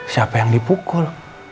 siapa yang dipukul